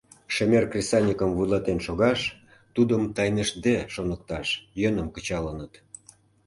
Шемер кресаньыкым вуйлатен шогаш, тудым тайныштде шоныкташ йӧным кычалыныт.